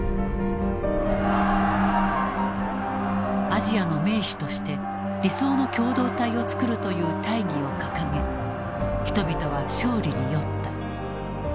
アジアの盟主として理想の共同体を作るという大義を掲げ人々は勝利に酔った。